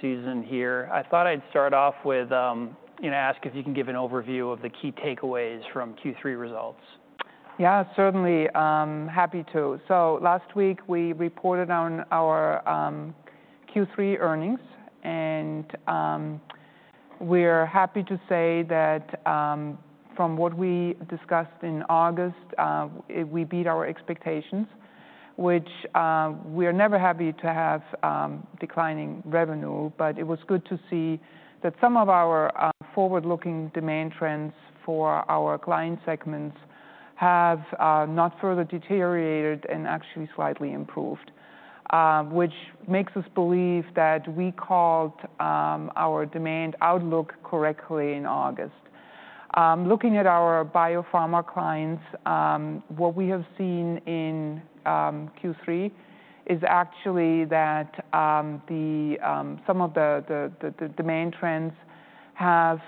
Jason here. I thought I'd start off with, you know, ask if you can give an overview of the key takeaways from Q3 results. Yeah, certainly. Happy to. So last week we reported on our Q3 earnings, and we're happy to say that from what we discussed in August, we beat our expectations, which we are never happy to have, declining revenue. But it was good to see that some of our forward-looking demand trends for our client segments have not further deteriorated and actually slightly improved, which makes us believe that we called our demand outlook correctly in August. Looking at our biopharma clients, what we have seen in Q3 is actually that some of the demand trends have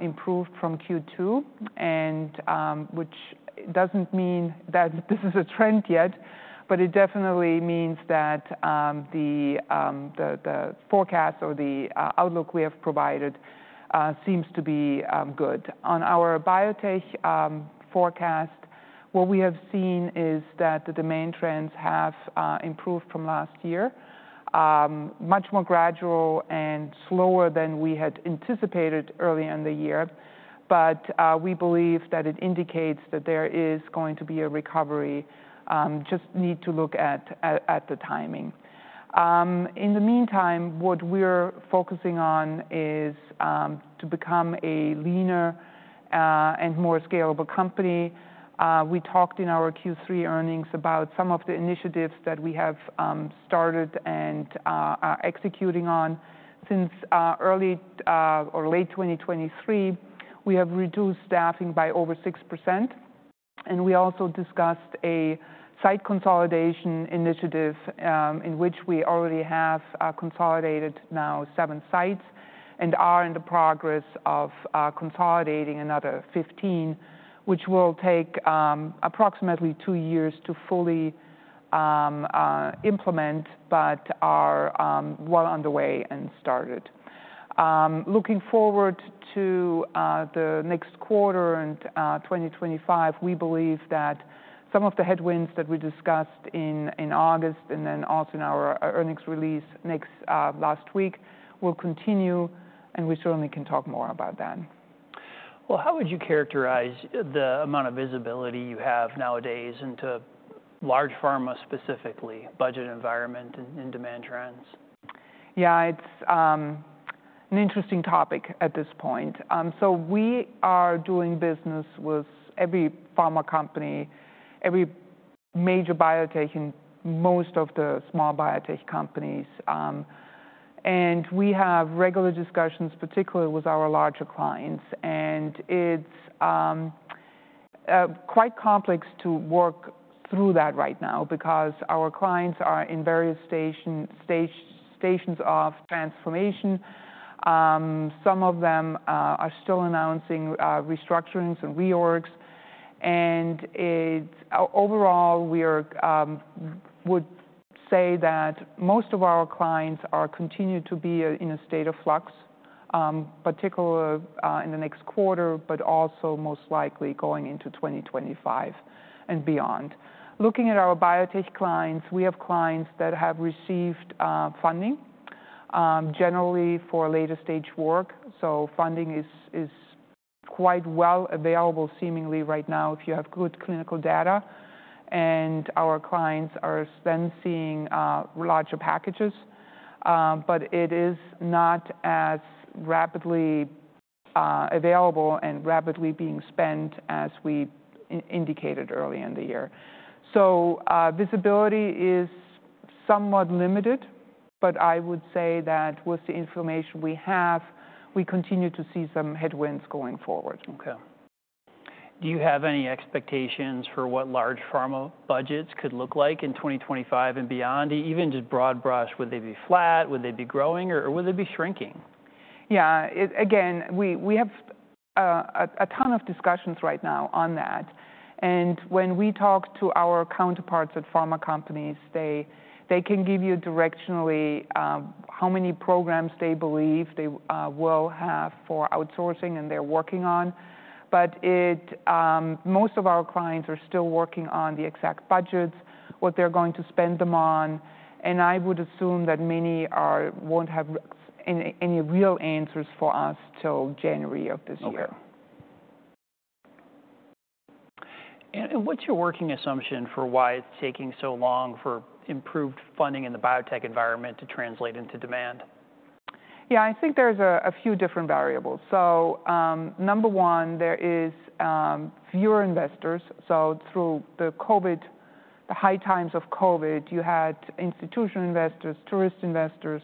improved from Q2, and which doesn't mean that this is a trend yet, but it definitely means that the forecast or the outlook we have provided seems to be good. On our biotech forecast, what we have seen is that the demand trends have improved from last year, much more gradual and slower than we had anticipated early in the year. But we believe that it indicates that there is going to be a recovery. Just need to look at the timing. In the meantime, what we're focusing on is to become a leaner and more scalable company. We talked in our Q3 earnings about some of the initiatives that we have started and executing on. Since early or late 2023, we have reduced staffing by over 6%. And we also discussed a site consolidation initiative, in which we already have consolidated now seven sites and are in the process of consolidating another 15, which will take approximately two years to fully implement, but are well underway and started. Looking forward to the next quarter and 2025, we believe that some of the headwinds that we discussed in August and then also in our earnings release last week will continue, and we certainly can talk more about that. How would you characterize the amount of visibility you have nowadays into large pharma specifically, budget environment and demand trends? Yeah, it's an interesting topic at this point, so we are doing business with every pharma company, every major biotech, and most of the small biotech companies. We have regular discussions, particularly with our larger clients. It's quite complex to work through that right now because our clients are in various stations of transformation. Some of them are still announcing restructurings and reorgs. Overall, we would say that most of our clients are continuing to be in a state of flux, particularly in the next quarter, but also most likely going into 2025 and beyond. Looking at our biotech clients, we have clients that have received funding, generally for later stage work. Funding is quite well available seemingly right now if you have good clinical data. Our clients are then seeing larger packages. But it is not as rapidly available and rapidly being spent as we indicated early in the year. So, visibility is somewhat limited, but I would say that with the information we have, we continue to see some headwinds going forward. Okay. Do you have any expectations for what large pharma budgets could look like in 2025 and beyond? Even just broad brush, would they be flat? Would they be growing or, or would they be shrinking? Yeah, again, we have a ton of discussions right now on that. And when we talk to our counterparts at pharma companies, they can give you directionally how many programs they believe they will have for outsourcing and they're working on. But most of our clients are still working on the exact budgets, what they're going to spend them on. And I would assume that many won't have any real answers for us till January of this year. Okay. And what's your working assumption for why it's taking so long for improved funding in the biotech environment to translate into demand? Yeah, I think there's a few different variables, so number one, there is fewer investors, so through the COVID, the high times of COVID, you had institutional investors, tourist investors,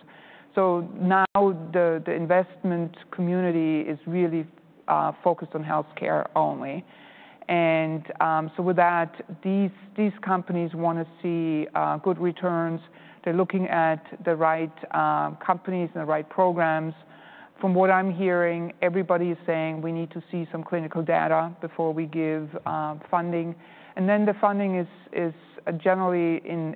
so now the investment community is really focused on healthcare only, and so with that, these companies wanna see good returns. They're looking at the right companies and the right programs. From what I'm hearing, everybody is saying we need to see some clinical data before we give funding, and then the funding is generally in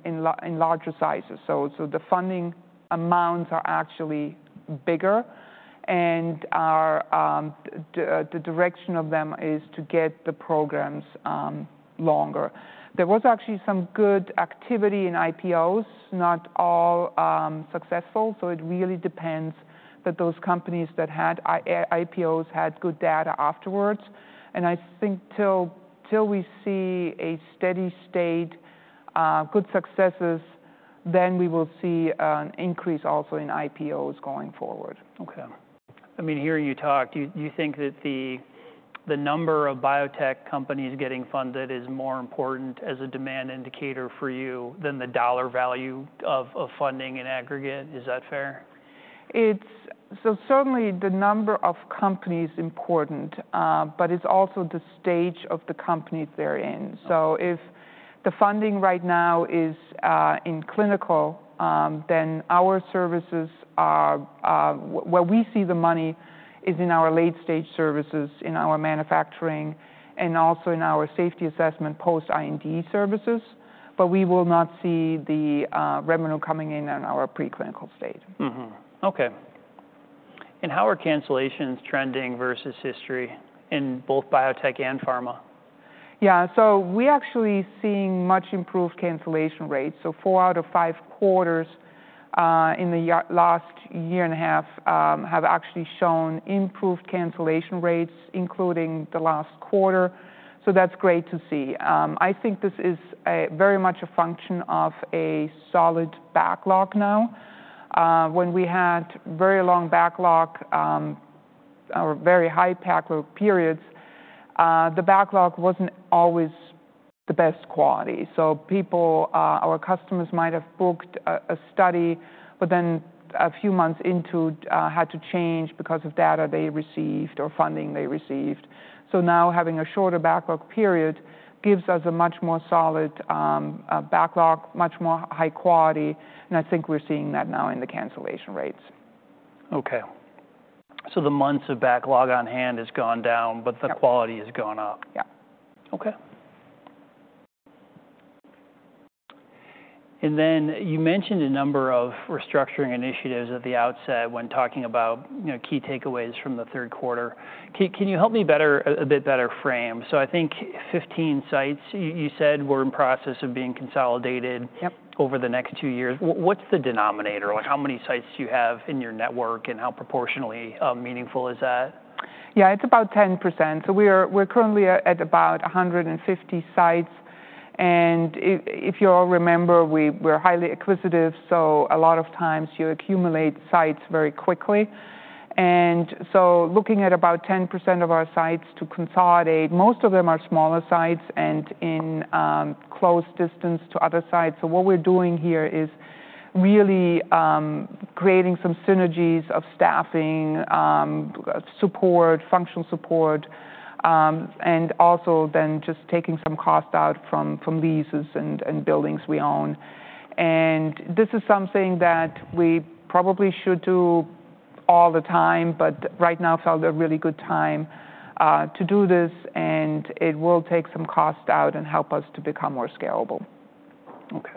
larger sizes, so the funding amounts are actually bigger and the direction of them is to get the programs longer. There was actually some good activity in IPOs, not all successful, so it really depends that those companies that had IPOs had good data afterwards. I think till we see a steady state, good successes, then we will see an increase also in IPOs going forward. Okay. I mean, hearing you talk, you think that the number of biotech companies getting funded is more important as a demand indicator for you than the dollar value of funding in aggregate. Is that fair? It's so certainly the number of companies is important, but it's also the stage of the companies they're in. So if the funding right now is in clinical, then our services are where we see the money is in our late stage services, in our manufacturing, and also in our safety assessment post-IND services. But we will not see the revenue coming in on our preclinical state. Mm-hmm. Okay. And how are cancellations trending versus history in both biotech and pharma? Yeah, so we actually seeing much improved cancellation rates. So four out of five quarters, in the last year and a half, have actually shown improved cancellation rates, including the last quarter. So that's great to see. I think this is a very much a function of a solid backlog now. When we had very long backlog, or very high backlog periods, the backlog wasn't always the best quality. So people, our customers might have booked a study, but then a few months into, had to change because of data they received or funding they received. So now having a shorter backlog period gives us a much more solid, backlog, much more high quality. And I think we're seeing that now in the cancellation rates. The months of backlog on hand has gone down, but the quality has gone up. Yeah. Okay. And then you mentioned a number of restructuring initiatives at the outset when talking about, you know, key takeaways from the third quarter. Can you help me a bit better frame? So I think 15 sites, you said were in process of being consolidated. Yep. Over the next two years. What's the denominator? Like how many sites do you have in your network and how proportionally meaningful is that? Yeah, it's about 10%, so we're currently at about 150 sites, and if you all remember, we're highly acquisitive, so a lot of times you accumulate sites very quickly, and so looking at about 10% of our sites to consolidate. Most of them are smaller sites and in close distance to other sites, so what we're doing here is really creating some synergies of staffing, support, functional support, and also then just taking some cost out from leases and buildings we own. This is something that we probably should do all the time, but right now felt a really good time to do this, and it will take some cost out and help us to become more scalable. Okay,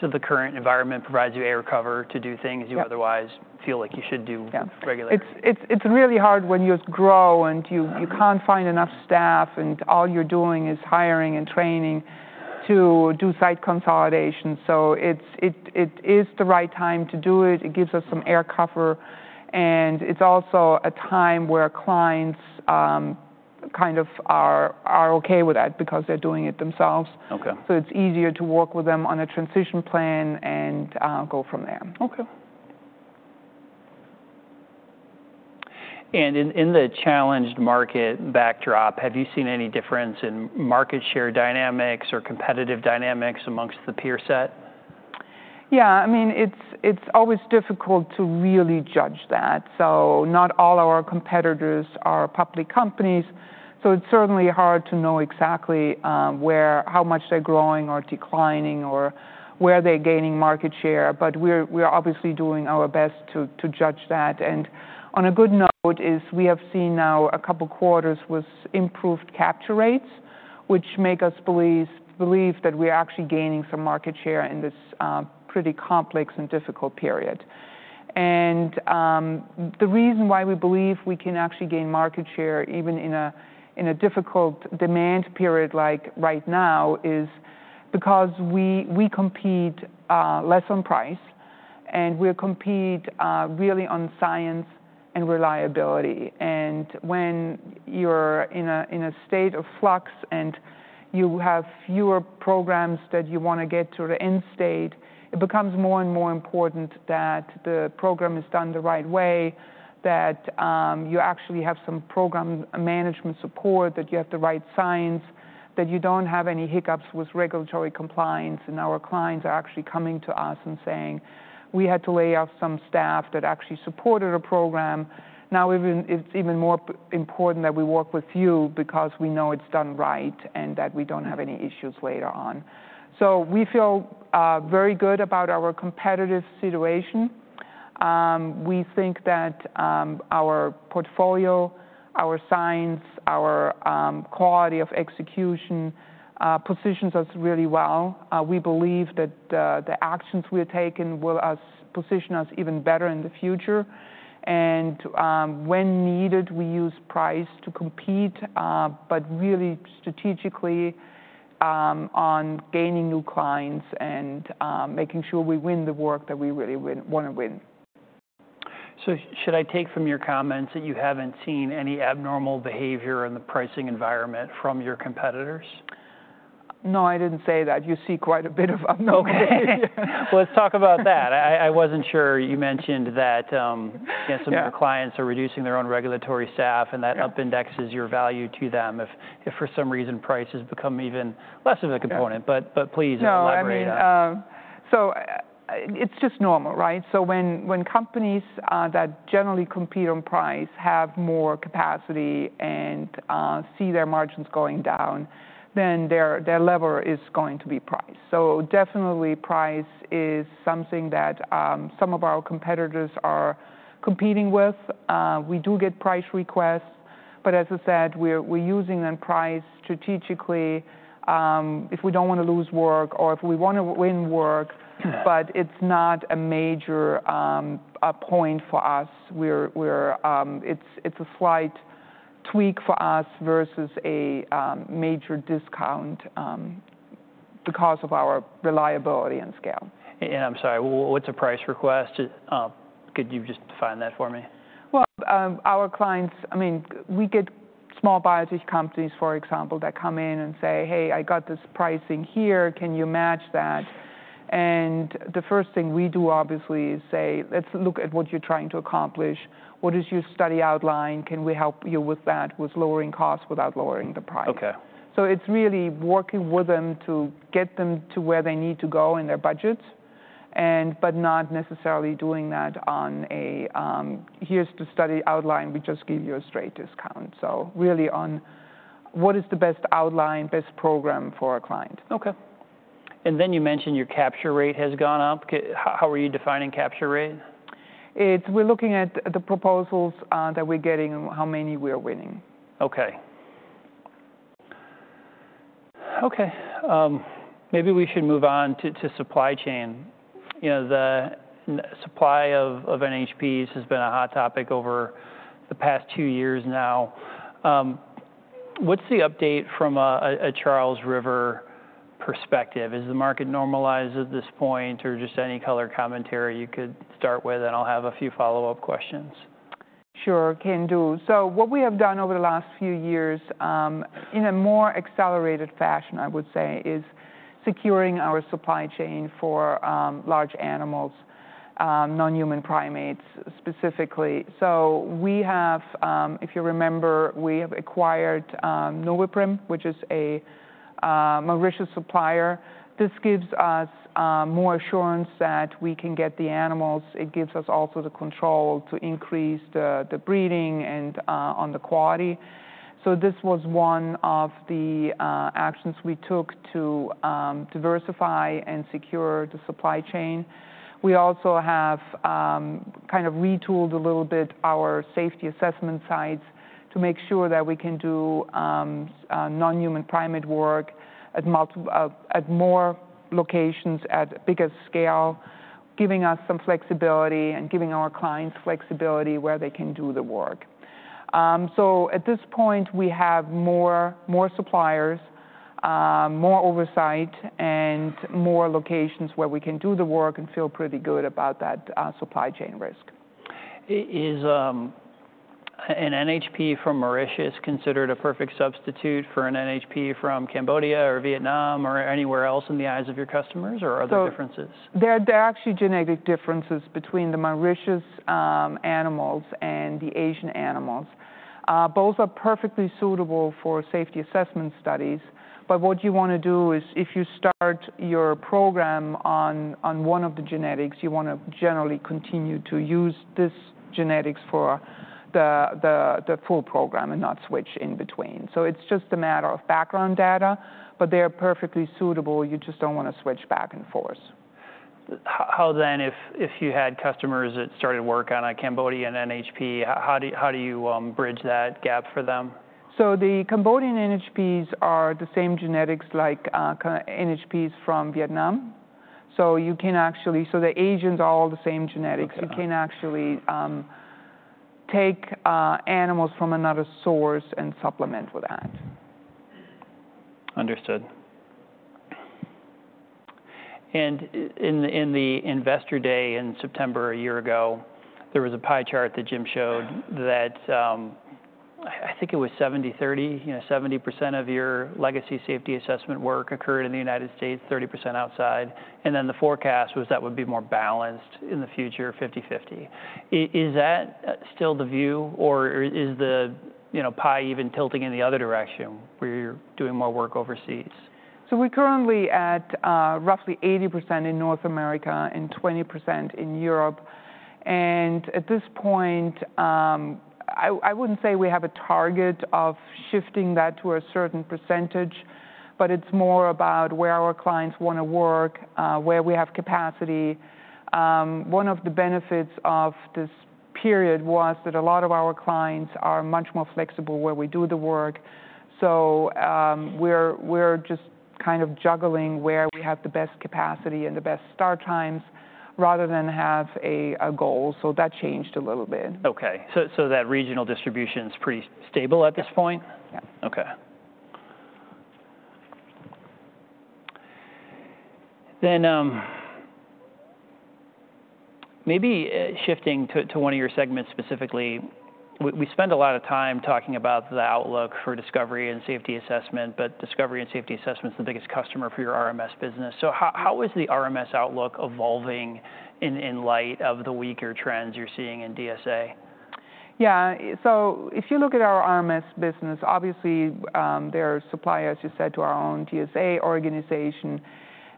so the current environment provides you air cover to do things you otherwise feel like you should do regularly. Yeah. It's really hard when you grow and you can't find enough staff and all you're doing is hiring and training to do site consolidation. So it is the right time to do it. It gives us some air cover. And it's also a time where clients kind of are okay with that because they're doing it themselves. Okay. So it's easier to work with them on a transition plan and go from there. Okay. And in the challenged market backdrop, have you seen any difference in market share dynamics or competitive dynamics amongst the peer set? Yeah, I mean, it's always difficult to really judge that. So not all our competitors are public companies. So it's certainly hard to know exactly where how much they're growing or declining or where they're gaining market share. But we're obviously doing our best to judge that. And on a good note is we have seen now a couple quarters with improved capture rates, which make us believe that we are actually gaining some market share in this pretty complex and difficult period. And the reason why we believe we can actually gain market share even in a difficult demand period like right now is because we compete less on price and we compete really on science and reliability. When you're in a state of flux and you have fewer programs that you wanna get to the end state, it becomes more and more important that the program is done the right way, that you actually have some program management support, that you have the right science, that you don't have any hiccups with regulatory compliance. Our clients are actually coming to us and saying, "We had to lay off some staff that actually supported a program. Now it's even more important that we work with you because we know it's done right and that we don't have any issues later on." We feel very good about our competitive situation. We think that our portfolio, our science, our quality of execution positions us really well. We believe that the actions we are taking will position us even better in the future. When needed, we use price to compete, but really strategically, on gaining new clients and making sure we win the work that we really wanna win. So should I take from your comments that you haven't seen any abnormal behavior in the pricing environment from your competitors? No, I didn't say that. You see quite a bit of abnormal behavior. Let's talk about that. I wasn't sure you mentioned that, you know, some of your clients are reducing their own regulatory staff and that up indexes your value to them if for some reason price has become even less of a component. But please elaborate on. No, I mean, so it's just normal, right? So when companies that generally compete on price have more capacity and see their margins going down, then their lever is going to be price. So definitely price is something that some of our competitors are competing with. We do get price requests, but as I said, we're using price strategically, if we don't wanna lose work or if we wanna win work, but it's not a major point for us. It's a slight tweak for us versus a major discount, because of our reliability and scale. I'm sorry, what's a price request? Could you just define that for me? Our clients, I mean, we get small biotech companies, for example, that come in and say, "Hey, I got this pricing here. Can you match that?" And the first thing we do obviously is say, "Let's look at what you're trying to accomplish. What is your study outline? Can we help you with that, with lowering costs without lowering the price? Okay. So, it's really working with them to get them to where they need to go in their budgets and, but not necessarily doing that on a, "Here's the study outline. We just give you a straight discount." So really on what is the best outline, best program for our client. Okay. And then you mentioned your capture rate has gone up. How are you defining capture rate? We're looking at the proposals that we're getting and how many we are winning. Okay. Okay, maybe we should move on to supply chain. You know, the supply of NHPs has been a hot topic over the past two years now. What's the update from a Charles River perspective? Is the market normalized at this point or just any color commentary you could start with, and I'll have a few follow-up questions. Sure, can do. So what we have done over the last few years, in a more accelerated fashion, I would say, is securing our supply chain for large animals, non-human primates specifically. So we have, if you remember, acquired Noveprim, which is a Mauritius supplier. This gives us more assurance that we can get the animals. It gives us also the control to increase the breeding and on the quality. So this was one of the actions we took to diversify and secure the supply chain. We also have kind of retooled a little bit our safety assessment sites to make sure that we can do non-human primate work at multiple, more locations at bigger scale, giving us some flexibility and giving our clients flexibility where they can do the work. So at this point, we have more suppliers, more oversight, and more locations where we can do the work and feel pretty good about that, supply chain risk. Is an NHP from Mauritius considered a perfect substitute for an NHP from Cambodia or Vietnam or anywhere else in the eyes of your customers? Or are there differences? So they're actually genetic differences between the Mauritius animals and the Asian animals. Both are perfectly suitable for safety assessment studies. But what you wanna do is if you start your program on one of the genetics, you wanna generally continue to use this genetics for the full program and not switch in between. So it's just a matter of background data, but they're perfectly suitable. You just don't wanna switch back and forth. How then, if you had customers that started work on a Cambodian NHP, how do you bridge that gap for them? The Cambodian NHPs are the same genetics like NHPs from Vietnam. The Asians are all the same genetics. You can actually take animals from another source and supplement with that. Understood. And in the investor day in September a year ago, there was a pie chart that Jim showed that, I think it was 70%-30%, you know, 70% of your legacy safety assessment work occurred in the United States, 30% outside. And then the forecast was that would be more balanced in the future, 50%-50%. Is that still the view or is the, you know, pie even tilting in the other direction where you're doing more work overseas? So we're currently at, roughly 80% in North America and 20% in Europe. And at this point, I wouldn't say we have a target of shifting that to a certain percentage, but it's more about where our clients wanna work, where we have capacity. One of the benefits of this period was that a lot of our clients are much more flexible where we do the work. So, we're just kind of juggling where we have the best capacity and the best start times rather than have a goal. So that changed a little bit. Okay. So that regional distribution's pretty stable at this point? Yeah. Okay. Then, maybe, shifting to one of your segments specifically, we spend a lot of time talking about the outlook for Discovery and Safety Assessment, but Discovery and Safety Assessment's the biggest customer for your RMS business. So how is the RMS outlook evolving in light of the weaker trends you're seeing in DSA? Yeah. So if you look at our RMS business, obviously, there are suppliers, you said, to our own DSA organization.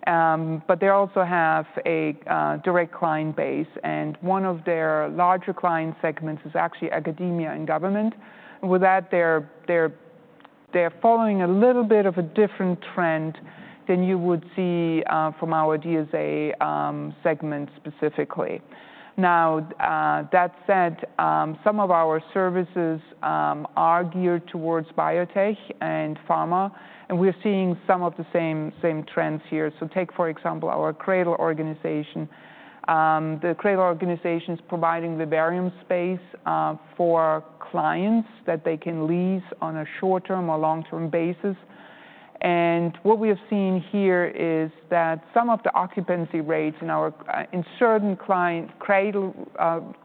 But they also have a direct client base. And one of their larger client segments is actually academia and government. And with that, they're following a little bit of a different trend than you would see from our DSA segment specifically. Now, that said, some of our services are geared towards biotech and pharma, and we are seeing some of the same trends here. So take, for example, our CRADL organization. The CRADL organization's providing the vivarium space for clients that they can lease on a short-term or long-term basis. And what we have seen here is that some of the occupancy rates in our certain client CRADL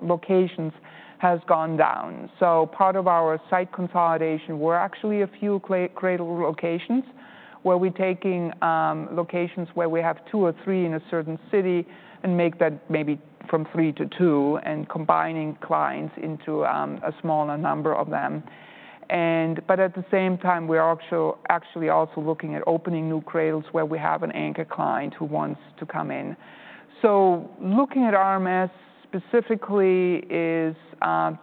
locations has gone down. Part of our site consolidation, we're actually a few CRADL locations where we taking locations where we have two or three in a certain city and make that maybe from three to two and combining clients into a smaller number of them. But at the same time, we are actually also looking at opening new CRADLs where we have an anchor client who wants to come in. Looking at RMS specifically,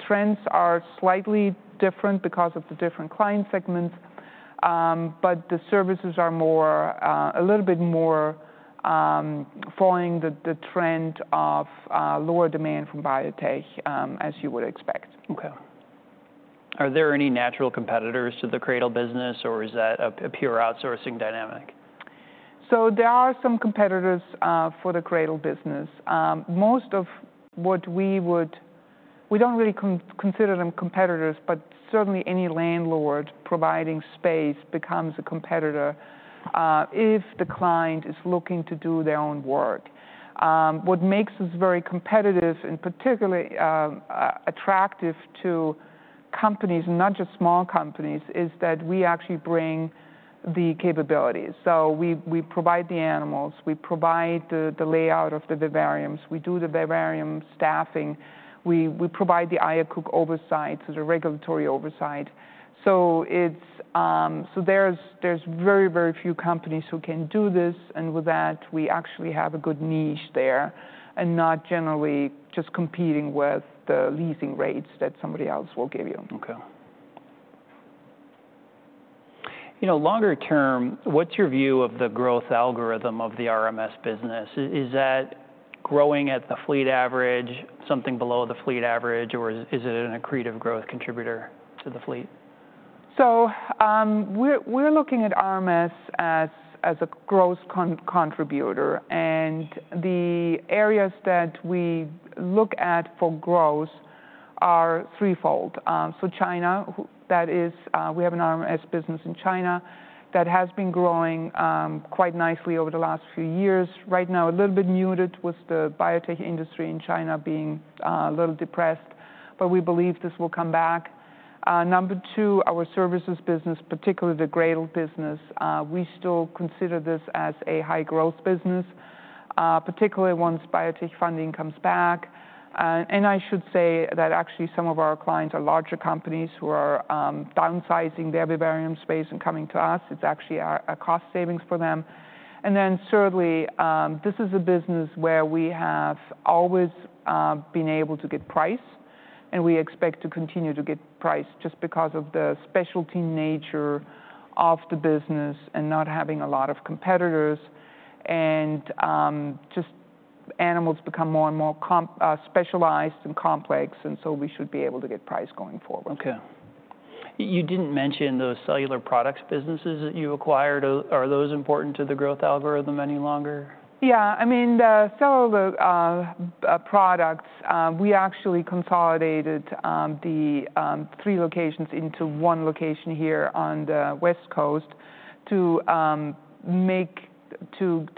trends are slightly different because of the different client segments. But the services are a little bit more following the trend of lower demand from biotech, as you would expect. Okay. Are there any natural competitors to the CRADL business or is that a pure outsourcing dynamic? There are some competitors for the CRADL business. Most of what we would, we don't really consider them competitors, but certainly any landlord providing space becomes a competitor if the client is looking to do their own work. What makes us very competitive and particularly attractive to companies, not just small companies, is that we actually bring the capabilities. We provide the animals, we provide the layout of the vivariums, we do the vivarium staffing, we provide the IACUC oversight, so the regulatory oversight. It's so there's very few companies who can do this. With that, we actually have a good niche there and not generally just competing with the leasing rates that somebody else will give you. Okay. You know, longer term, what's your view of the growth algorithm of the RMS business? Is that growing at the fleet average, something below the fleet average, or is it an accretive growth contributor to the fleet? We're looking at RMS as a growth contributor. The areas that we look at for growth are threefold. China, that is, we have an RMS business in China that has been growing quite nicely over the last few years. Right now, a little bit muted with the biotech industry in China being a little depressed, but we believe this will come back. Number two, our services business, particularly the CRADL business, we still consider this as a high-growth business, particularly once biotech funding comes back. I should say that actually some of our clients are larger companies who are downsizing their vivarium space and coming to us. It's actually a cost savings for them. And then thirdly, this is a business where we have always been able to get price, and we expect to continue to get price just because of the specialty nature of the business and not having a lot of competitors. And just animals become more and more specialized and complex, and so we should be able to get price going forward. Okay. You didn't mention those cellular products businesses that you acquired. Are those important to the growth algorithm any longer? Yeah. I mean, the cellular products, we actually consolidated the three locations into one location here on the West Coast to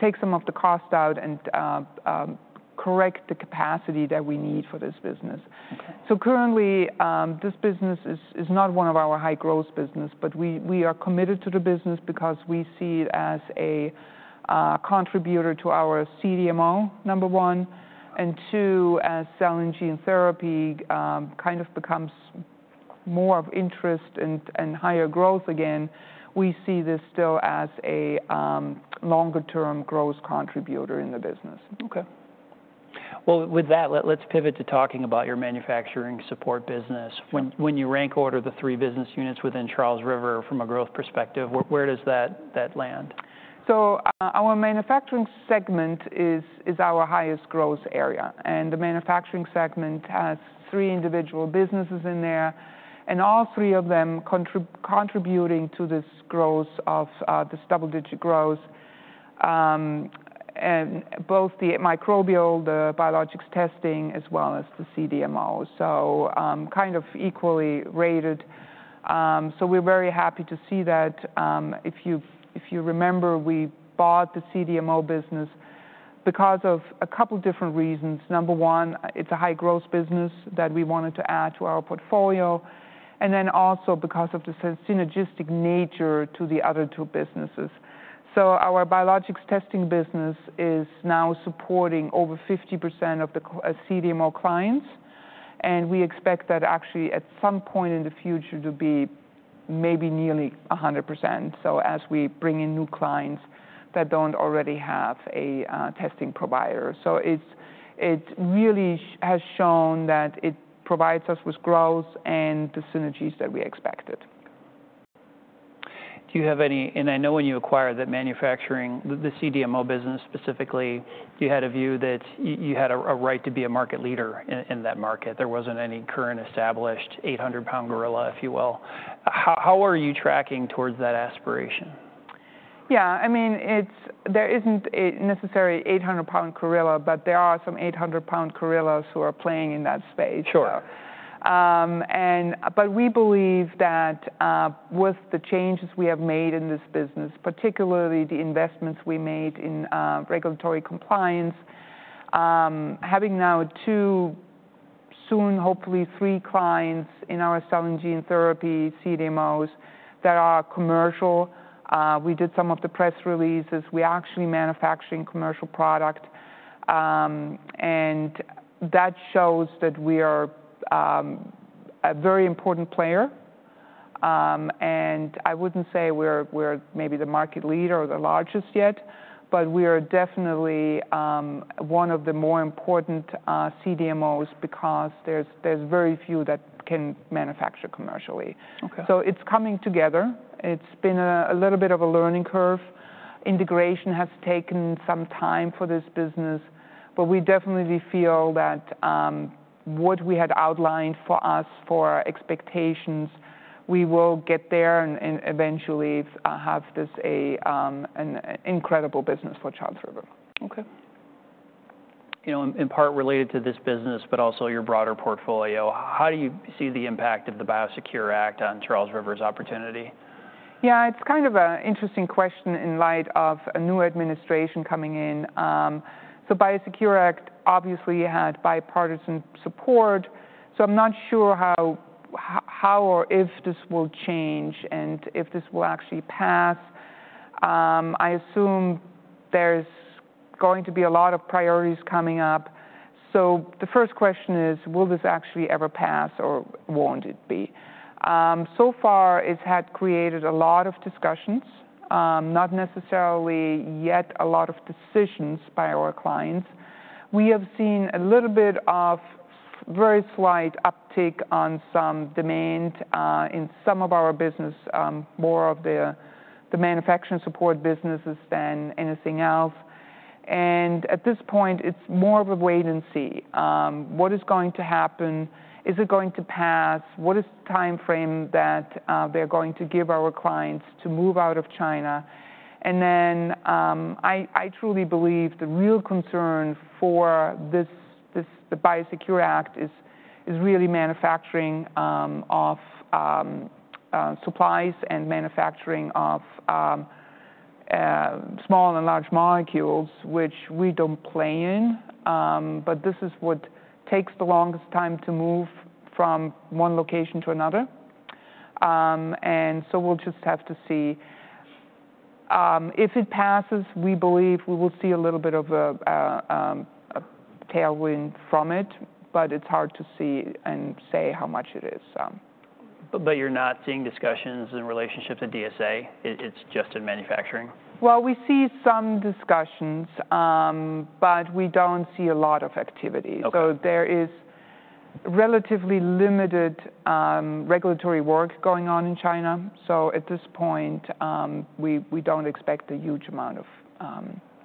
take some of the cost out and correct the capacity that we need for this business. Okay. Currently, this business is not one of our high-growth business, but we are committed to the business because we see it as a contributor to our CDMO, number one. And two, as cell and gene therapy kind of becomes more of interest and higher growth again, we see this still as a longer-term growth contributor in the business. Okay. Well, with that, let's pivot to talking about your manufacturing support business. When you rank order the three business units within Charles River from a growth perspective, where does that land? So, our manufacturing segment is our highest growth area. And the manufacturing segment has three individual businesses in there, and all three of them contributing to this growth of this double-digit growth, and both the microbial, the biologics testing, as well as the CDMO. So, kind of equally rated. So we're very happy to see that. If you remember, we bought the CDMO business because of a couple different reasons. Number one, it's a high-growth business that we wanted to add to our portfolio. And then also because of the synergistic nature to the other two businesses. So our biologics testing business is now supporting over 50% of the CDMO clients. And we expect that actually at some point in the future to be maybe nearly 100%. So as we bring in new clients that don't already have a testing provider. So it really has shown that it provides us with growth and the synergies that we expected. Do you have any? And I know when you acquired that manufacturing, the CDMO business specifically, you had a view that you had a right to be a market leader in that market. There wasn't any current established 800-pound gorilla, if you will. How are you tracking towards that aspiration? Yeah. I mean, there isn't a necessary 800-pound gorilla, but there are some 800-pound gorillas who are playing in that space. Sure. But we believe that with the changes we have made in this business, particularly the investments we made in regulatory compliance, having now two, soon hopefully three clients in our cell and gene therapy CDMOs that are commercial, we did some of the press releases, we actually manufacturing commercial product. That shows that we are a very important player. I wouldn't say we're maybe the market leader or the largest yet, but we are definitely one of the more important CDMOs because there's very few that can manufacture commercially. Okay. So it's coming together. It's been a little bit of a learning curve. Integration has taken some time for this business, but we definitely feel that what we had outlined for us for our expectations, we will get there and eventually have this an incredible business for Charles River. Okay. You know, in part related to this business, but also your broader portfolio, how do you see the impact of the Biosecure Act on Charles River's opportunity? Yeah. It's kind of an interesting question in light of a new administration coming in. So, Biosecure Act obviously had bipartisan support. So I'm not sure how or if this will change and if this will actually pass. I assume there's going to be a lot of priorities coming up. So the first question is, will this actually ever pass or won't it be? So far it's had created a lot of discussions, not necessarily yet a lot of decisions by our clients. We have seen a little bit of very slight uptick on some demand, in some of our business, more of the manufacturing support businesses than anything else. And at this point, it's more of a wait and see. What is going to happen? Is it going to pass? What is the timeframe that they're going to give our clients to move out of China? And then I truly believe the real concern for this the Biosecure Act is really manufacturing of supplies and manufacturing of small and large molecules, which we don't play in. But this is what takes the longest time to move from one location to another, and so we'll just have to see. If it passes, we believe we will see a little bit of a tailwind from it, but it's hard to see and say how much it is. But, you're not seeing discussions and relationships at DSA? It's just in manufacturing? We see some discussions, but we don't see a lot of activity. Okay. There is relatively limited regulatory work going on in China. At this point, we don't expect a huge amount of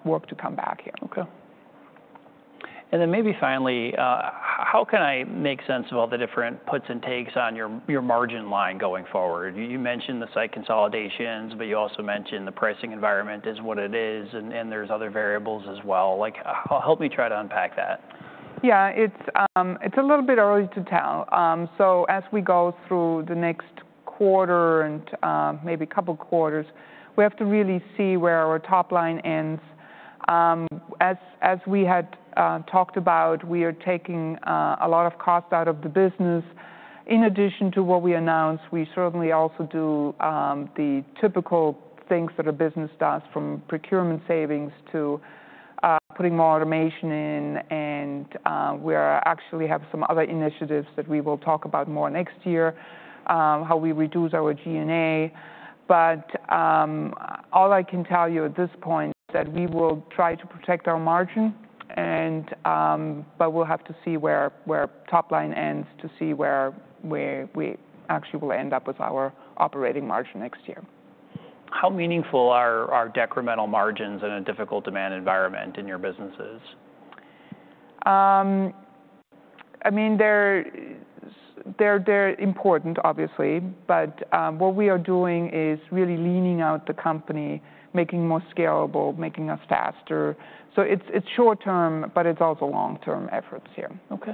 work to come back here. Okay. And then maybe finally, how can I make sense of all the different puts and takes on your margin line going forward? You mentioned the site consolidations, but you also mentioned the pricing environment is what it is, and there's other variables as well. Like, help me try to unpack that. Yeah. It's a little bit early to tell. So as we go through the next quarter and maybe a couple quarters, we have to really see where our top line ends. As we had talked about, we are taking a lot of cost out of the business. In addition to what we announced, we certainly also do the typical things that a business does from procurement savings to putting more automation in. And we actually have some other initiatives that we will talk about more next year, how we reduce our G&A. But all I can tell you at this point is that we will try to protect our margin and but we'll have to see where top line ends to see where we actually will end up with our operating margin next year. How meaningful are decremental margins in a difficult demand environment in your businesses? I mean, they're important, obviously, but what we are doing is really leaning out the company, making more scalable, making us faster. So it's short-term, but it's also long-term efforts here. Okay.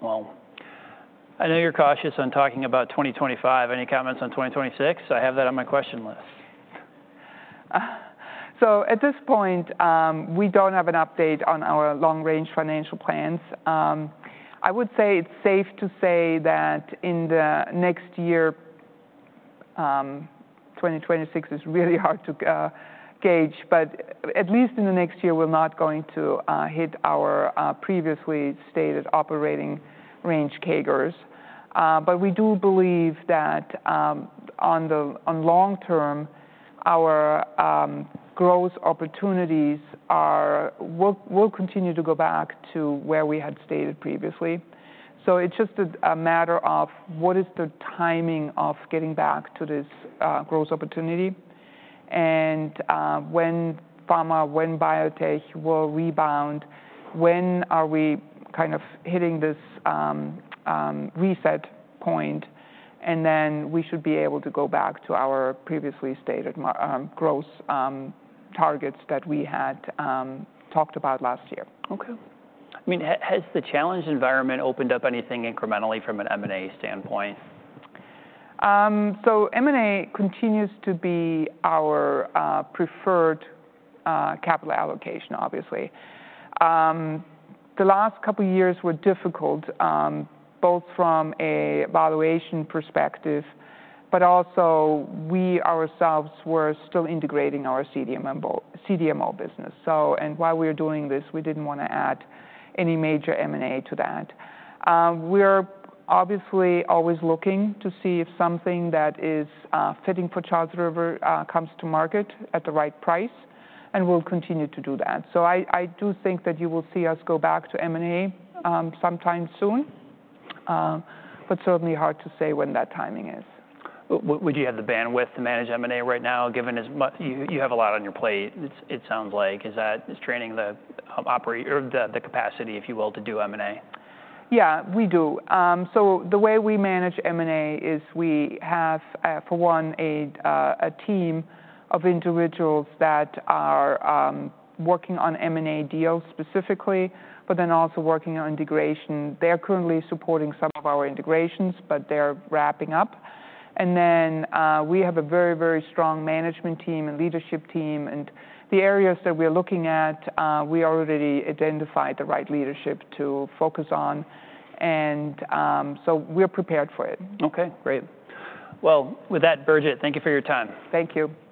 Well, I know you're cautious on talking about 2025. Any comments on 2026? I have that on my question list. So at this point, we don't have an update on our long-range financial plans. I would say it's safe to say that in the next year, 2026 is really hard to gauge, but at least in the next year, we're not going to hit our previously stated operating range CAGRs. But we do believe that on the long term, our growth opportunities will continue to go back to where we had stated previously. So it's just a matter of what is the timing of getting back to this growth opportunity. And when pharma, when biotech will rebound, when are we kind of hitting this reset point, and then we should be able to go back to our previously stated growth targets that we had talked about last year. Okay. I mean, has the challenge environment opened up anything incrementally from an M&A standpoint? So M&A continues to be our preferred capital allocation, obviously. The last couple years were difficult, both from a valuation perspective, but also we ourselves were still integrating our CDMO business. So, and while we are doing this, we didn't want to add any major M&A to that. We are obviously always looking to see if something that is fitting for Charles River comes to market at the right price, and we'll continue to do that. So I do think that you will see us go back to M&A sometime soon, but certainly hard to say when that timing is. Would you have the bandwidth to manage M&A right now, given as much you have a lot on your plate, it sounds like. Is that training the operator the capacity, if you will, to do M&A? Yeah, we do, so the way we manage M&A is we have, for one, a team of individuals that are working on M&A deals specifically, but then also working on integration. They're currently supporting some of our integrations, but they're wrapping up, and then we have a very, very strong management team and leadership team, and the areas that we are looking at, we already identified the right leadership to focus on, and so we're prepared for it. Okay. Great. Well, with that, Birgit, thank you for your time. Thank you.